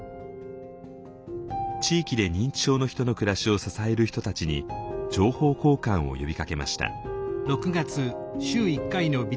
地域で認知症の人の暮らしを支える人たちに情報交換を呼びかけました。